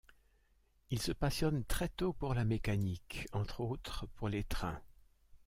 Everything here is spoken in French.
Il se passionne très tôt pour la mécanique, entre autres pour les trains.